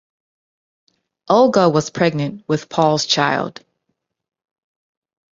Olga was pregnant with Paul's child.